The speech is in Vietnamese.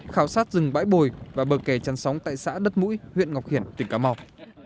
khảo sát rừng bãi bồi và bờ kè chăn sóng tại xã đất mũi huyện ngọc hiển tỉnh cà mau